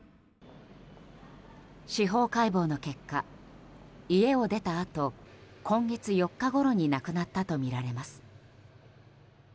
司法解剖の結果、家を出たあと今月４日ごろに亡くなったとみられます。